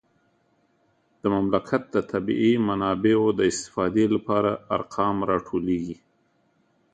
د مملکت د طبیعي منابعو د استفادې لپاره ارقام راټولیږي